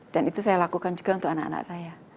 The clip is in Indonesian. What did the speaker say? dan itu saya lakukan juga untuk anak anak saya